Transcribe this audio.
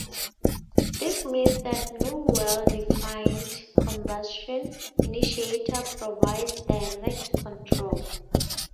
This means that no well-defined combustion initiator provides direct control.